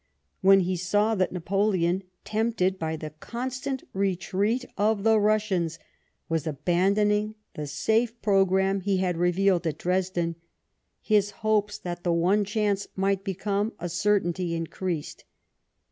When he saw that Napoleon, tempted by the constant retreat of the Russians, was abandoning the safe programme he had revealed at Dresden, his hopes that the one chance might become a certainty increased.